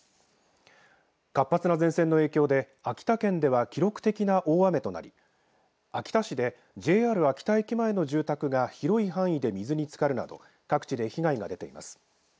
活発な前線の影響で秋田県では記録的な大雨となり秋田市でＪＲ秋田駅前の住宅が広い範囲で水につかるなど各地で被害が出ています。